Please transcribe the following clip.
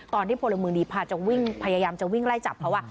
ตอนที่ผู้รับเมืองดีพยายามจะวิ่งไล่จับเขา